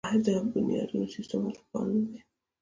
آیا د بنیادونو سیستم هلته فعال نه دی؟